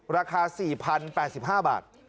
ราคา๔๐๘๕บาท